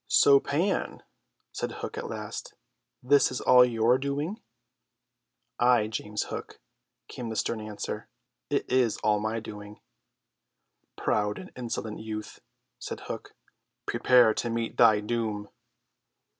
"So, Pan," said Hook at last, "this is all your doing." "Ay, James Hook," came the stern answer, "it is all my doing." "Proud and insolent youth," said Hook, "prepare to meet thy doom."